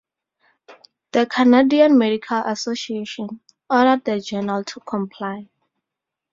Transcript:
The Canadian Medical Association ordered the journal to comply.